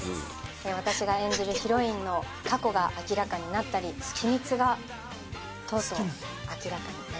私が演じるヒロインの過去が明らかになったり秘密がとうとう明らかになります。